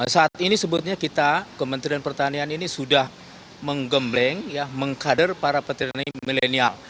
saat ini sebetulnya kita kementerian pertanian ini sudah menggembleng mengkader para petani milenial